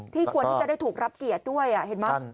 ควรที่จะได้ถูกรับเกียรติด้วยเห็นไหม